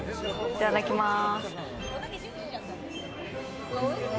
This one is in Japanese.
いただきます。